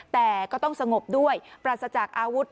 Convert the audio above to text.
แต่ก็ต้องสงบด้วยปราศจากอาวุธ